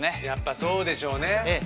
やっぱそうでしょうね